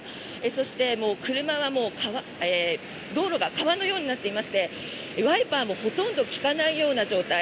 そして、車は道路が川のようになっていましてワイパーもほとんど利かないような状態。